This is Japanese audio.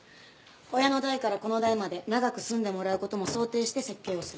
親の代から子の代まで長く住んでもらう事も想定して設計をする。